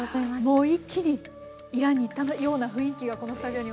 もう一気にイランに行ったような雰囲気がこのスタジオに生まれました。